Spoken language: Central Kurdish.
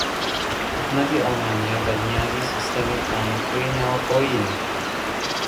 حوکمەتی ئەڵمانیا بەنیازی سیستەمی خانە خوێی ناوەخۆییە